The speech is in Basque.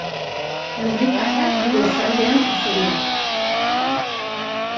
Lurrikarak goizaldean jazo dira.